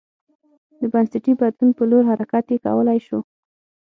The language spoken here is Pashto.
د بنسټي بدلون په لور حرکت یې کولای شو